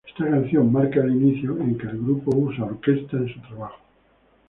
Esta canción marca el inicio en que el grupo usa Orquesta en su trabajo.